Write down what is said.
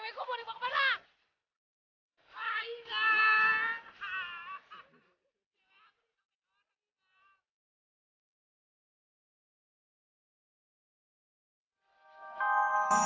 biar tau yuk